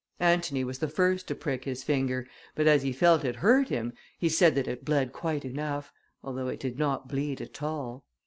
Antony was the first to prick his finger, but as he felt it hurt him, he said that it bled quite enough, although it did not bleed at all.